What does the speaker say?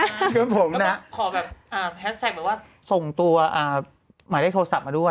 แล้วก็ขอแบบแฮสแท็กส่งตัวหมายเลขโทรศัพท์มาด้วย